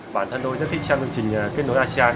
bản thân tôi rất thích xem chương trình kết nối asean